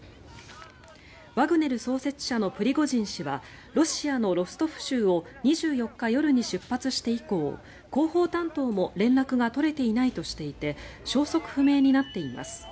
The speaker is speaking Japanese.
ワグネル創設者のプリゴジン氏はロシアのロストフ州を２４日夜に出発して以降広報担当も連絡が取れていないとしていて消息不明になっています。